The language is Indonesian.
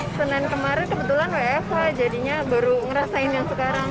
senin kemarin kebetulan wfh jadinya baru ngerasain yang sekarang